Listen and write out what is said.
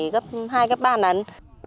gấp hai gấp ba nắng